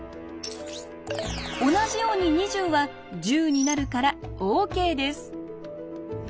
同じように２０は１０になるからＯＫです。